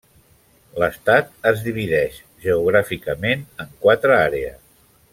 L'estat es divideix geogràficament en quatre àrees.